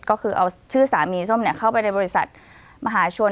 ก็คือเอาชื่อสามีส้มเข้าไปในบริษัทมหาชน